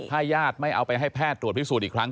ถ้าญาติไม่เอาไปให้แพทย์ตรวจพิสูจน์อีกครั้ง